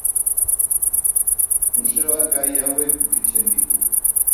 Museoak gai hauek ukitzen ditu.